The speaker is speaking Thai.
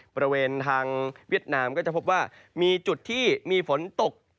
บริเวณทางเวียดนามก็จะพบว่ามีจุดที่มีฝนตก